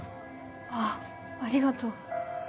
あっありがとう。